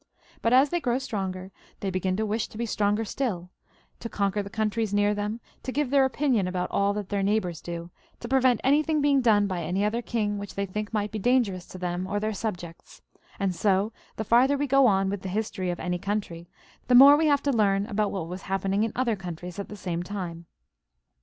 But as they grow strong, they begin to wish to be stronger still, to conquer the countries near them, to give their opinion about aU that their neighbours do, to prevent anything being done bv any other king which they think might be dangerous to them or their subjects ; and so, the farther we go on with the history of any country, the more we have to learn about what was happening in other countries at the same time. / IffHc, Us >) 'J f '^i, ,<» r : I BU Rpa ■ ^f M ■* 1^1 «^^M xvnj PHILIP IL {AUGUSTE).